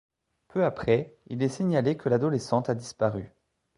Peu après, il est signalé que l'adolescente a disparu.